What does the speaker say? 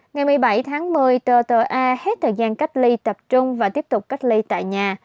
ngày một mươi bảy tháng một mươi tờ ta hết thời gian cách ly tập trung và tiếp tục cách ly tại nhà